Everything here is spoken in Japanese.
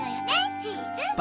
チーズ。